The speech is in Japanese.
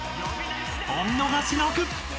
［お見逃しなく！］